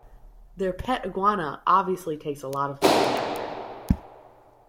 Their pet iguana obviously takes a lot of looking after.